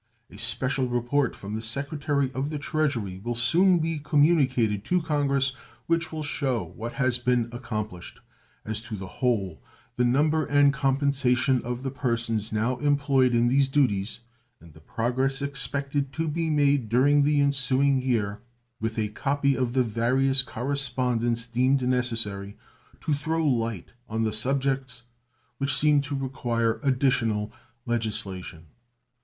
A special report from the Secretary of the Treasury will soon be communicated to Congress, which will show what has been accomplished as to the whole, the number and compensation of the persons now employed in these duties, and the progress expected to be made during the ensuing year, with a copy of the various correspondence deemed necessary to throw light on the subjects which seem to require additional legislation.